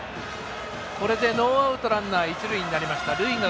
これでノーアウトランナー、一塁二塁になりました。